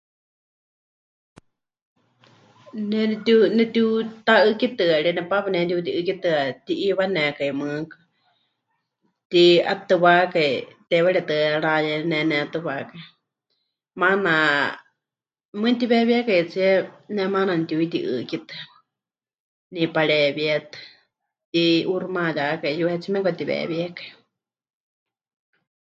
Ne netiu.. netiuta'ɨ́kitɨarie, nepaapa pɨnetiuti'ɨ́kitɨa, pɨti'iiwanekai mɨɨkɨ, pɨti'atɨwákai, teiwaritɨ́a pɨrayenenétɨwakai, maana, mɨɨkɨ mɨtiweewíekaitsie ne maana nepɨtiuyuti'ɨ́kitɨa, ne'ipareewíetɨ, pɨti'uuximayákai, yuhetsíe mieme pɨkatiweewíekai.